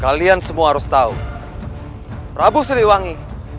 kalian semua harus tahu prabu siliwangi